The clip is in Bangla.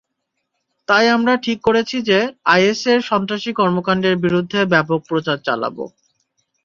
তাই আমরা ঠিক করেছি যে, আইএসের সন্ত্রাসী কর্মকাণ্ডের বিরুদ্ধে ব্যাপক প্রচার চালাব।